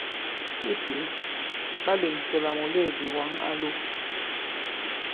I pǐ, ɓa lèŋsɛ la mùleèdì wǎŋ a lo.